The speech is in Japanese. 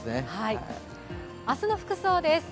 明日の服装です。